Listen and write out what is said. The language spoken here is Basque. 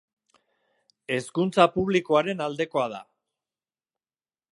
Hezkuntza publikoaren aldekoa da.